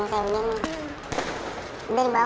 dipukulin dulu nih berimok